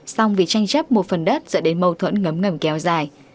song vì tranh chấp một phần đất dẫn đến mâu thuẫn ngấm ngẩm kéo dài